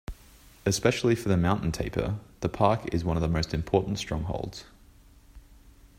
Especially for the mountain tapir, the park is one of the most important strongholds.